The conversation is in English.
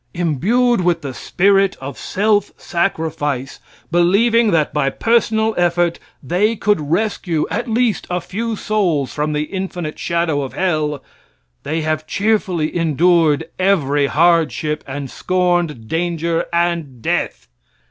Imbued with the spirit of self sacrifice, believing that by personal effort they could rescue at least a few souls from the infinite shadow of hell, they have cheerfully endured every hardship and scorned danger and death.